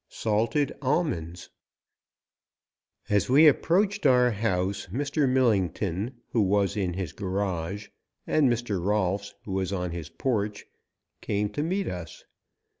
SALTED ALMONDS AS WE approached our house, Mr. Millington, who was in his garage, and Mr. Rolfs, who was on his porch, came to meet us.